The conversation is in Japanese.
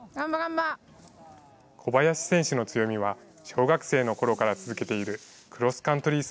小林選手の強みは、小学生のころから続けているクロスカントリー